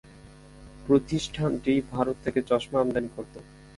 প্রতিষ্ঠানটি ভারত থেকে চশমা আমদানি করতো।